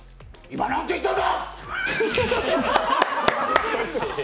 今、何て言ったんだ！